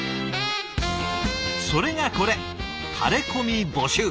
それがこれタレコミ募集！